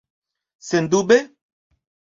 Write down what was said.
Sendube?